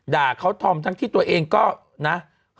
ด่าเขาธอมทั้งที่ตัวเองก็นะ